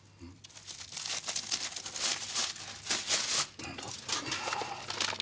何だ？